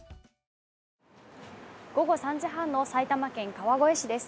午後３時半の埼玉県川越市です。